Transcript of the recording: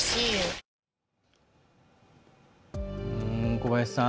小林さん